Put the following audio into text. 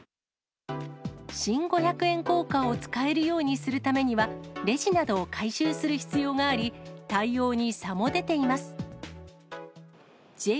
新五百円硬貨を使えるようにするためには、レジなどを改修する必要があり、対応に差も出ています。